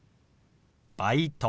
「バイト」。